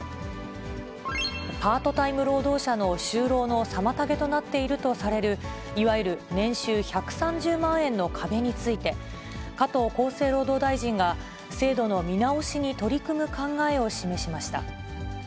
パートタイム労働者の就労の妨げとなっているとされる、いわゆる年収１３０万円の壁について、加藤厚生労働大臣が制度の見直しに取り組む考えを示しました。